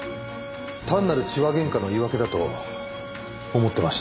単なる痴話げんかの言い訳だと思ってましたが。